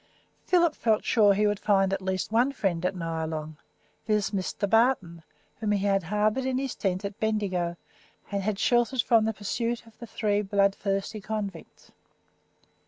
Philip felt sure that he would find at least one friend at Nyalong viz., Mr. Barton, whom he had harboured in his tent at Bendigo, and had sheltered from the pursuit of the three bloodthirsty convicts.